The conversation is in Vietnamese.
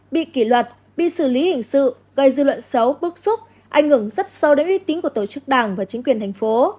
bị kỷ luật bị xử lý hình sự gây dư luận xấu bức xúc ảnh hưởng rất sâu đến uy tín của tổ chức đảng và chính quyền thành phố